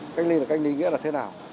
cách ly là cách ly nghĩa là thế nào